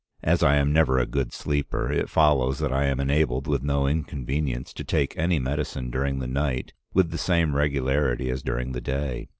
As I am never a good sleeper, it follows that I am enabled with no inconvenience to take any medicine during the night with the same regularity as during the day.